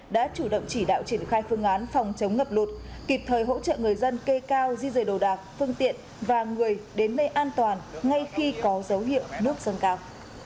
đã chủ động chỉ đạo triển khai phương án phòng chống ngập lụt kịp thời hỗ trợ người dân kê cao di rời đồ đạc phương tiện và người đến nơi an toàn ngay khi có dấu hiệu nước dâng cao